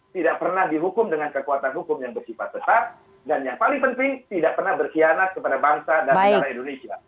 tidak pernah dihukum dengan kekuatan hukum yang bersifat besar dan yang paling penting tidak pernah berkhianat kepada bangsa dan negara indonesia